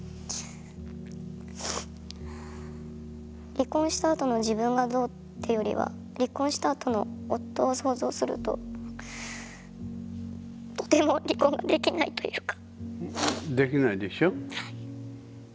離婚したあとの自分がどうっていうよりは離婚したあとの夫を想像するととても離婚ができないというか。